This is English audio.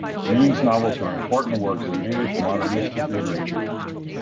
Green's novels are important works of English modernist literature.